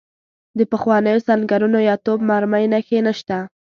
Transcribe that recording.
د پخوانیو سنګرونو یا توپ مرمۍ نښې نشته.